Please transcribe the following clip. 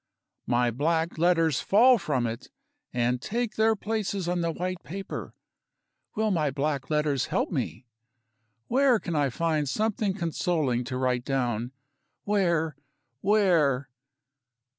My black letters fall from it, and take their places on the white paper. Will my black letters help me? Where can I find something consoling to write down? Where? Where?